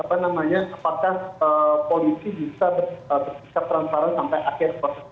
apakah polisi bisa bersikap transparan sampai akhir proses